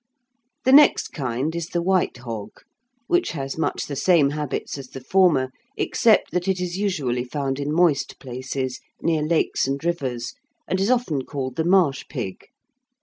The next kind is the white hog, which has much the same habits as the former, except that it is usually found in moist places, near lakes and rivers, and is often called the marsh pig.